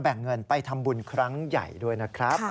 ฝันไปทำบุญครั้งใหญ่ด้วยนะครับ